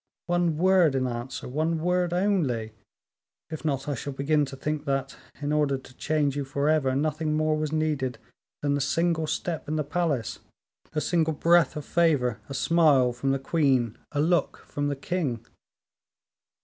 One word in answer, one word only; if not, I shall begin to think that, in order to change you forever, nothing more was needed than a single step in the palace, a single breath of favor, a smile from the queen, a look from the king."